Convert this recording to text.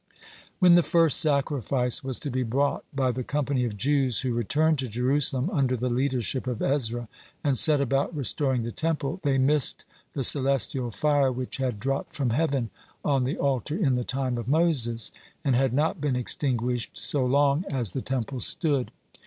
When the first sacrifice was to be brought by the company of Jews who returned to Jerusalem under the leadership of Ezra, and set about restoring the Temple, they missed the celestial fire which had dropped from heaven on the altar in the time of Moses, and had not been extinguished so long as the Temple stood.